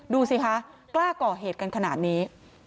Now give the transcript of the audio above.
ดูสิคะกล้าก่อเหตุกันขนาดนี้